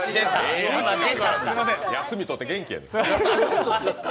休みとって元気やねん。